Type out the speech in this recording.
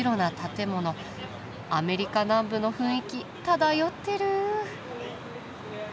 アメリカ南部の雰囲気漂ってる。